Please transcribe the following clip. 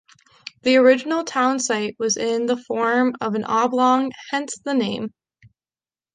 The original town site was in the form of an oblong, hence the name.